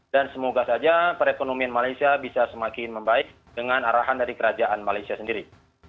dan semoga saja perekonomian malaysia bisa semakin membaik dengan arahan dari kerajaan malaysia sendiri